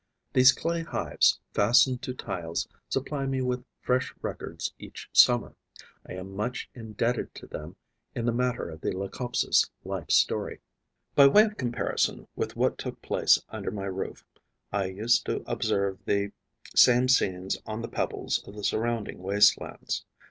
These clay hives fastened to tiles supply me with fresh records each summer. I am much indebted to them in the matter of the Leucopsis' life history. By way of comparison with what took place under my roof, I used to observe the same scenes on the pebbles of the surrounding wastelands.